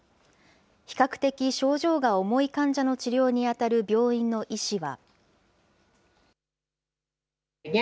比較的症状が重い患者の治療に当たる病院の医師は。